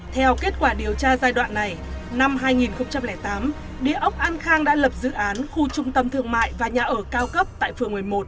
theo kết quả điều tra giai đoạn này năm hai nghìn tám địa ốc an khang đã lập dự án khu trung tâm thương mại và nhà ở cao cấp tại phường một mươi một